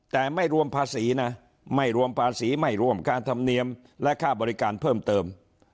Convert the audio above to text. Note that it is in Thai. แต่ไม่รวมภาษีนะไม่รวมภาษีไม่รวมค่าธรรมเนียมและค่าบริการเพิ่มเติม